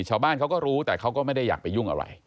ชาวบ้านเขาก็รู้แต่เขาก็ไม่ได้อยากไปยุ่งอะไร